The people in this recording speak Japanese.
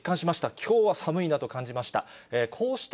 きょうは寒いなと感じました。